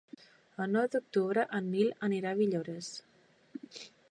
El nou d'octubre en Nil anirà a Villores.